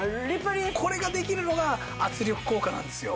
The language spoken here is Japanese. これができるのが圧力効果なんですよ。